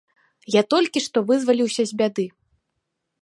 Я толькі што вызваліўся з бяды.